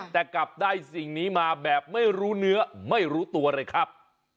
แต่กลับได้สิ่งนี้มาแบบไม่รู้เนื้อไม่รู้ตัวเลยครับ